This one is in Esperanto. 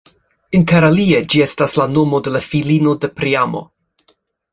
Interalie ĝi estas la nomo de la filino de Priamo.